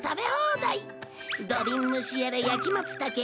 土瓶蒸しやら焼き松たけ